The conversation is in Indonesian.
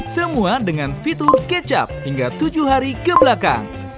semua dengan fitur kecap hingga tujuh hari ke belakang